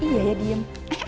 iya ya diem